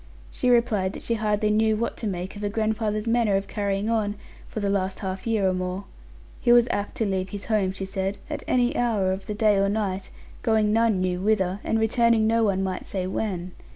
She replied that she hardly knew what to make of her grandfather's manner of carrying on, for the last half year or more. He was apt to leave his home, she said, at any hour of the day or night; going none knew whither, and returning no one might say when.